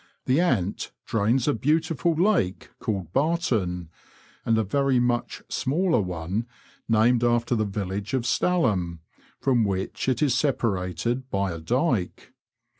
The Ant drains a beautiful lake called Barton, and a very much smaller one named after the village of Stalham, from which it is separated by a dyke.